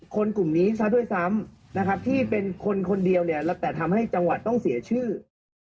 กลุ่มนี้ซะด้วยซ้ำนะครับที่เป็นคนคนเดียวเนี่ยแล้วแต่ทำให้จังหวัดต้องเสียชื่อ